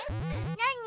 なに？